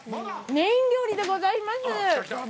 メイン料理でございます。